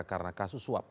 karena kasus uap